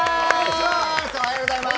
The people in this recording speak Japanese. おはようございます。